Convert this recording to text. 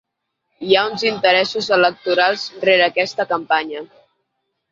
Hi ha uns interessos electorals rere aquesta campanya.